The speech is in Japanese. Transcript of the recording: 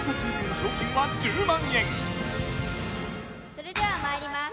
それではまいります